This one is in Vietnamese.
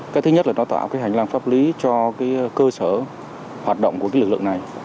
cái thứ nhất là nó tạo cái hành lang pháp lý cho cái cơ sở hoạt động của cái lực lượng này